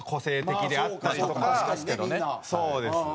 そうです。